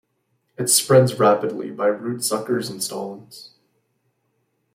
It spreads rapidly by root suckers and stolons.